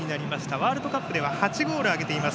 ワールドカップでは８ゴール挙げています。